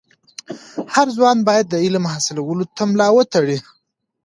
هر ځوان باید د علم حاصلولو ته ملا و تړي.